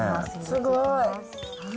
すごーい。